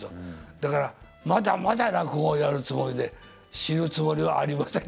だからまだまだ落語をやるつもりで死ぬつもりはありません。